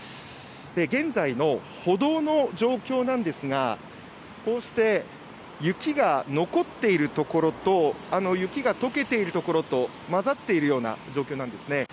現在の歩道の状況なんですがこうして雪が残っている所と雪が溶けている所とまざっているような状況なんです。